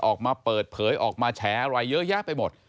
ออกมาเปิดเผยออกมาแฉอะไรเยอะแยะไปหมด